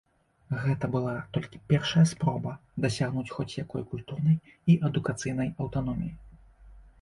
Гэта была толькі першая спроба дасягнуць хоць якой культурнай і адукацыйнай аўтаноміі.